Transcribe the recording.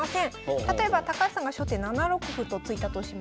例えば高橋さんが初手７六歩と突いたとします。